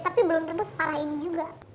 tapi belum tentu setara ini juga